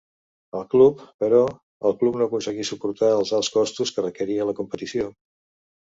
El club, però, el club no aconseguí suportar els alts costos que requeria la competició.